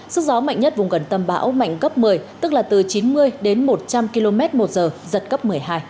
sức gió mạnh nhất vùng gần tâm bão mạnh cấp một mươi tức là từ chín mươi đến một trăm linh km một giờ giật cấp một mươi hai